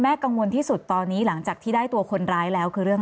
กังวลที่สุดตอนนี้หลังจากที่ได้ตัวคนร้ายแล้วคือเรื่อง